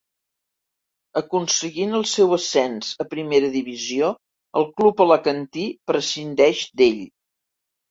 Aconseguint el seu ascens a Primera Divisió, el club alacantí prescindeix d'ell.